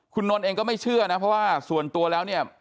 คุณนนท์เองก็ไม่เชื่อนะเพราะว่าส่วนตัวแล้วเนี่ย